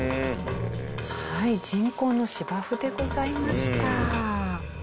はい人工の芝生でございました。